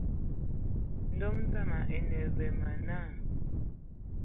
Ndom dzaŋ ene ve a man nna?